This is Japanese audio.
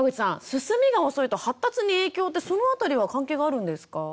進みが遅いと発達に影響ってその辺りは関係があるんですか？